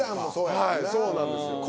はいそうなんですよ。昴